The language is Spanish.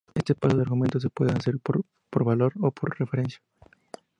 Este paso de argumentos se puede hacer por valor o por referencia.